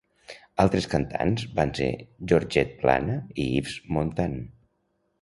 Altres cantants van ser Georgette Plana i Yves Montand.